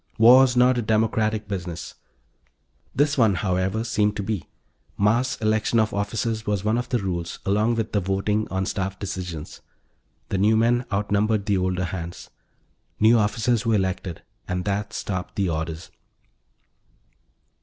War's not a democratic business. This one, however, seemed to be. Mass election of officers was one of the rules, along with the voting on staff decisions. The new men out numbered the older hands. New officers were elected and that stopped the orders.